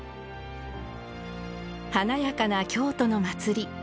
華やかな京都の祭り。